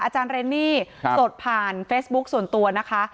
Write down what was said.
อาจารย์เรนนี่สดผ่านเฟซบุ๊คส่วนตัวนะคะ